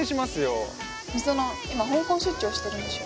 今香港出張してるんでしょ。